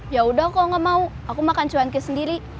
ya udah kok gak mau aku makan cuan kes sendiri